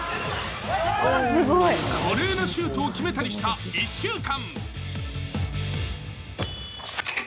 華麗なシュートを決めたりした１週間。